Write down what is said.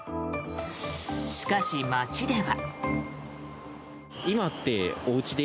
しかし、街では。